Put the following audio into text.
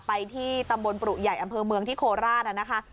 ไปที่ตำบลปรุใหญ่อำเภอเมืองที่โคราชนะคะ